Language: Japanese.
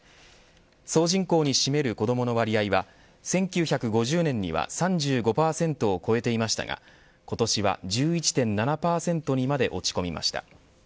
総人口に占める子どもの割合は１９５０年には３５％を超えていますが今年は１１．７％にまで落ち込みました。